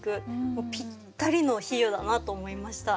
もうぴったりの比喩だなと思いました。